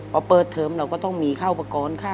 พอเปิดเทอมเราก็ต้องมีข้าวอุปกรณ์ค่ะ